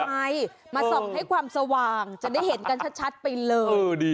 ใช่มาส่องให้ความสว่างจะได้เห็นกันชัดไปเลย